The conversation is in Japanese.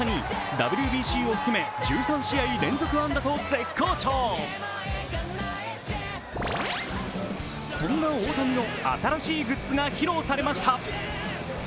ＷＢＣを含め１３試合連続安打と絶好調そんな大谷の新しいグッズが披露されました。